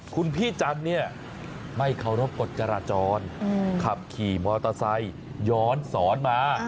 คุณพี่จันทร์เนี่ยไม่เคารพกฎจราจรขับขี่มอเตอร์ไซค์ย้อนสอนมา